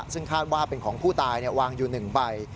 ซึ่งคาดว่าเป็นของผู้ตายวางอยู่๑ใบ